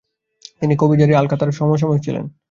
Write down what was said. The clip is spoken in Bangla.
তিনি কবি জারির ও আল-আখতাল’র সমসাময়িক ছিলেন।